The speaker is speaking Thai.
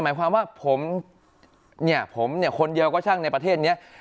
หมายความว่าผมเนี่ยผมเนี่ยคนเดียวก็ช่างในประเทศนี้